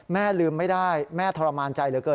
ลืมไม่ได้แม่ทรมานใจเหลือเกิน